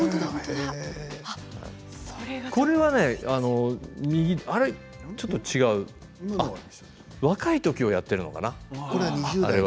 あれはちょっと違う若い時をやっているのかな？